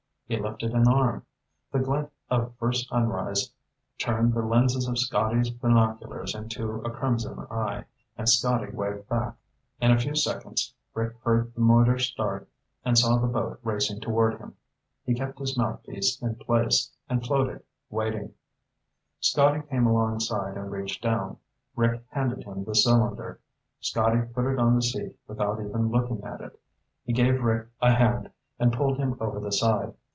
He lifted an arm. The glint of first sunrise turned the lenses of Scotty's binoculars into a crimson eye, and Scotty waved back. In a few seconds Rick heard the motor start and saw the boat racing toward him. He kept his mouthpiece in place, and floated, waiting. [Illustration: Now to find out what he had] Scotty came alongside and reached down. Rick handed him the cylinder. Scotty put it on the seat without even looking at it. He gave Rick a hand and pulled him over the side.